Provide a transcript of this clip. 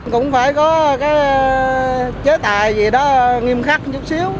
cũng phải có cái chế tài gì đó nghiêm khắc chút xíu